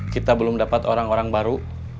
kita belum dapat orang orang baru